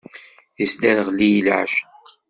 Isderɣel-iyi leɛceq.